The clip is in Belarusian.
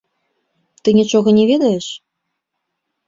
Ты нічога не ведаеш?